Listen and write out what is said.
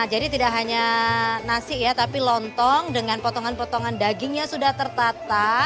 jadi tidak hanya nasi ya tapi lontong dengan potongan potongan dagingnya sudah tertata